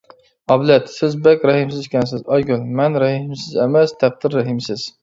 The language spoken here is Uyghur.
ئابلەت:سىز بەك رەھىمسىز ئىكەنسىز. ئايگۈل:مەن رەھىمسىز ئەمەس تەقدىر رەھىمسىز.